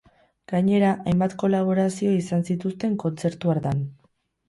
Gainera, hainbat kolaborazio izan zituzten kontzertu hartan.